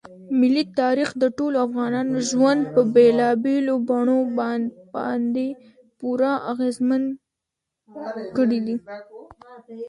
ملي تاریخ د ټولو افغانانو ژوند په بېلابېلو بڼو باندې پوره اغېزمن کړی دی.